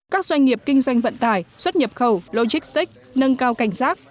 các doanh nghiệp kinh doanh vận tải xuất nhập khẩu logistic nâng cao cảnh sát